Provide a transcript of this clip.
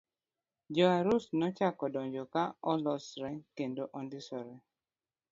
Jo arus nochako donjo ka olosre kendo ondisore.